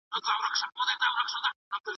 پر ځان باور د بریالیتوب نیمه لاره ده.